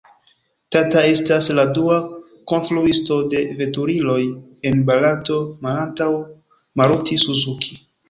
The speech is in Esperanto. Tata estas la dua konstruisto de veturiloj en Barato malantaŭ Maruti-Suzuki.